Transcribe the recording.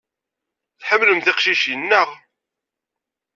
Tḥemmlem tiqcicin, naɣ?